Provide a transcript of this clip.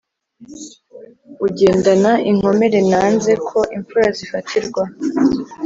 ugendana inkomere nanze ko imfura zifatirwa,